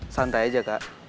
santai aja kak